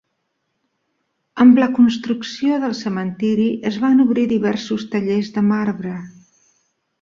Amb la construcció del cementiri es van obrir diversos tallers de marbre.